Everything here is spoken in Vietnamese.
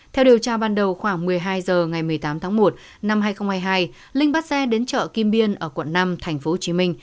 theo điều tra ban đầu khoảng một mươi hai h ngày một mươi tám tháng một năm hai nghìn hai mươi hai linh bắt xe đến chợ kim biên ở quận năm tp hcm